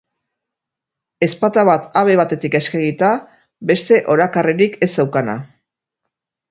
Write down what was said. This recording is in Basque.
Ezpata bat habe batetik eskegita, beste orakarririk ez zeukana.